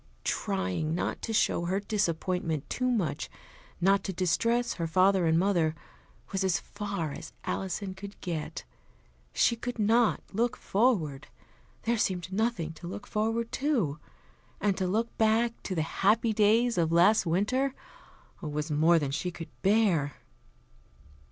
Trying not to show her disappointment too much, not to distress her father and mother, was as far as Alison could get. She could not look forward; there seemed nothing to look forward to. And to look back to the happy days of last winter was more than she could bear.